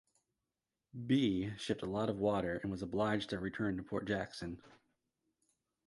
"Bee" shipped a lot of water and was obliged to return to Port Jackson.